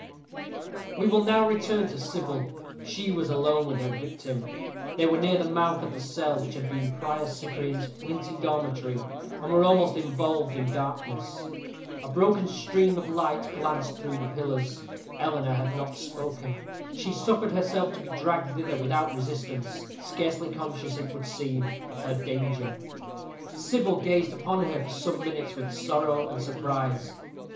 We will now return to Sybil. She was alone with her victim. They were near the mouth of the cell which had been Prior Cyprian's flinty dormitory, and were almost involved in darkness. A broken stream of light glanced through the pillars. Eleanor had not spoken. She suffered herself to be dragged thither without resistance, scarcely conscious, it would seem, of her danger. Sybil gazed upon her for some minutes with sorrow and surprise.